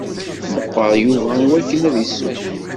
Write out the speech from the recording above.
Meqqeṛ Yuba i wakken ad isew.